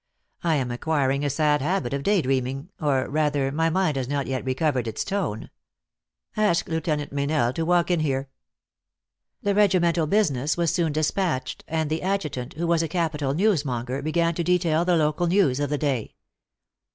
I am acquiring a sad habit of day dream ing, or, rather, my mind has not yet recovered its tone. Ask Lieutenant Meynell to walk in here." The regimental business was soon dispatched, and the adjutant, who was a capital newsmonger, began to detail the local news of the day.